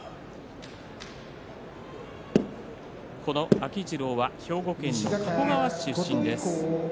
秋治郎は兵庫県加古川市の出身です。